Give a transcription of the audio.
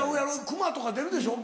熊とか出るでしょ？